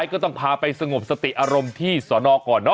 ก็ต้องพาไปสงบสติอารมณ์ที่สอนอก่อนเนาะ